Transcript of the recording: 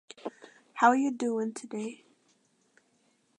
How you doing today?